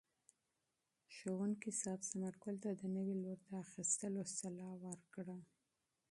معلم صاحب ثمر ګل ته د نوي لور د اخیستلو مشوره ورکړه.